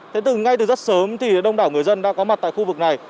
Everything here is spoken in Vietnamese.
thế từ ngay từ rất sớm thì đông đảo người dân đã có mặt tại khu vực này